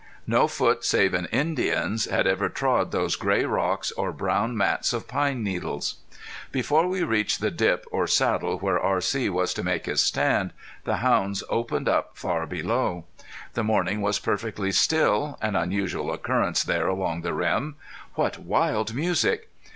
No foot save an Indian's had ever trod those gray rocks or brown mats of pine needles. Before we reached the dip or saddle where R.C. was to make his stand the hounds opened up far below. The morning was perfectly still, an unusual occurrence there along the rim. What wild music!